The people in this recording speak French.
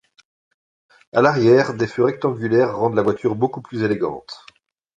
À l'arrière, des feux rectangulaires rendent la voiture beaucoup plus élégante.